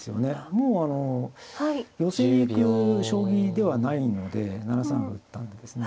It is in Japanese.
もう寄せに行く将棋ではないので７三歩打ったんでですね。